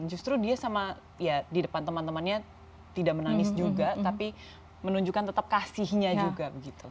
justru dia sama ya di depan teman temannya tidak menangis juga tapi menunjukkan tetap kasihnya juga gitu